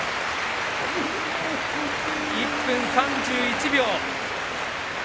１分３１秒。